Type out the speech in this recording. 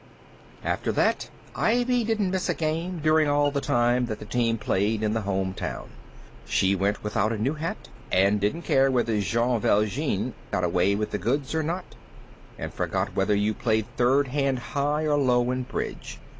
After that Ivy didn't miss a game during all the time that the team played in the home town. She went without a new hat, and didn't care whether Jean Valjean got away with the goods or not, and forgot whether you played third hand high or low in bridge.